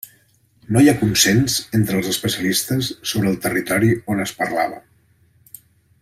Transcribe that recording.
No hi ha consens entre els especialistes sobre el territori on es parlava.